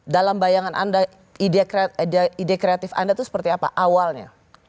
dalam bayangan anda ide kreatif anda itu seperti apa awalnya